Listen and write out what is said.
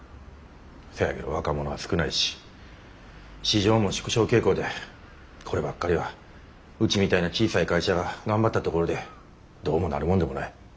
せやけど若者は少ないし市場も縮小傾向でこればっかりはうちみたいな小さい会社が頑張ったところでどうもなるもんでもない。